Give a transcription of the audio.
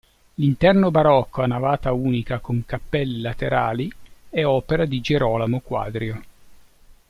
L'interno barocco a navata unica con cappelle laterali è opera di Gerolamo Quadrio.